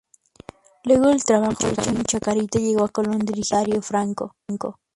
Luego del trabajo hecho en Chacarita, llega a Colón dirigido por Darío Franco.